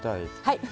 はい。